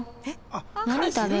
「何食べる？」